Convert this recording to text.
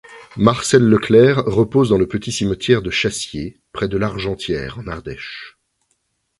Marcel Leclerc repose dans le petit cimetière de Chassiers près de Largentière en Ardèche.